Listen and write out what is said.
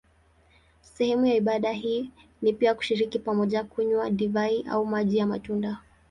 Sehemu ya ibada hii ni pia kushiriki pamoja kunywa divai au maji ya matunda.